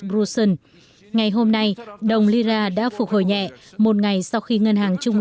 của washington ngày hôm nay đồng lira đã phục hồi nhẹ một ngày sau khi ngân hàng trung